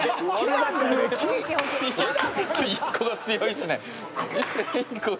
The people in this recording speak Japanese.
１個が強いっすね。